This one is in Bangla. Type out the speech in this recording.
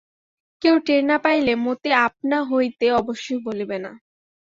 কেউ টের না পাইলে মতি আপনা হইতে অবশ্যই বলিবে না।